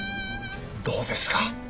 どうですか？